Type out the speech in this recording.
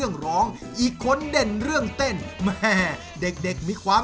แต่ซ่ามหาสมมุทรนะครับยังไม่ได้คะแนนจากคณะกรรมการเลย